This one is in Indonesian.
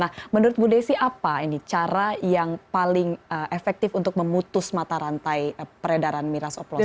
nah menurut bu desi apa ini cara yang paling efektif untuk memutus mata rantai peredaran miras oplosan